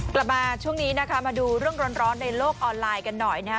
กลับมาช่วงนี้นะคะมาดูเรื่องร้อนในโลกออนไลน์กันหน่อยนะฮะ